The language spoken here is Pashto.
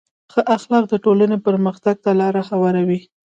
ښه اخلاق د ټولنې پرمختګ ته لاره هواروي.